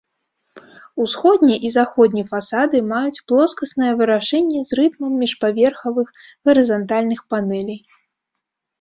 Усходні і заходні фасады маюць плоскаснае вырашэнне з рытмам міжпаверхавых гарызантальных панэлей.